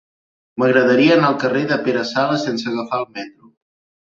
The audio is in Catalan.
M'agradaria anar al carrer de Pere Sala sense agafar el metro.